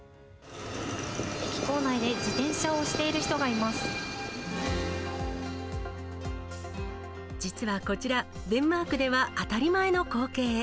駅構内で自転車を押している実はこちら、デンマークでは当たり前の光景。